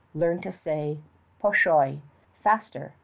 Learn to say "Pos/20/.^" ("Faster!")